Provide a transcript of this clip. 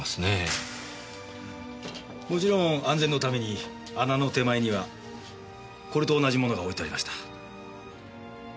もちろん安全のために穴の手前にはこれと同じ物が置いてありました。